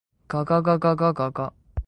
ががががががが。